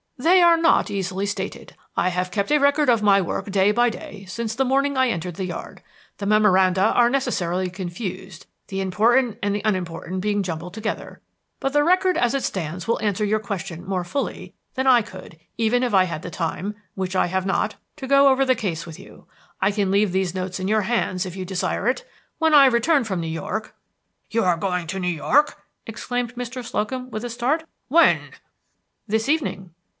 "They are not easily stated. I have kept a record of my work day by day, since the morning I entered the yard. The memoranda are necessarily confused, the important and the unimportant being jumbled together; but the record as it stands will answer your question more fully than I could, even if I had the time which I have not to go over the case with you. I can leave these notes in your hands, if you desire it. When I return from New York" "You are going to New York!" exclaimed Mr. Slocum, with a start. "When?" "This evening."